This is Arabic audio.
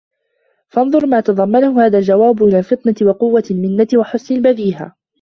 فَانْظُرْ مَا تَضَمَّنَهُ هَذَا الْجَوَابُ مِنْ الْفِطْنَةِ وَقُوَّةِ الْمِنَّةِ وَحُسْنِ الْبَدِيهَةِ